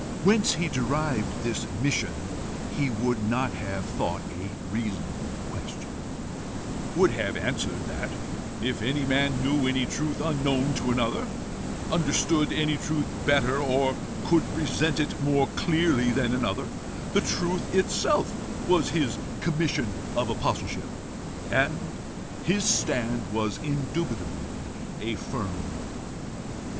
Whence he derived this mission he would not have thought a reasonable question would have answered that, if any man knew any truth unknown to another, understood any truth better, or could present it more clearly than another, the truth itself was his commission of apostleship. And his stand was indubitably a firm one.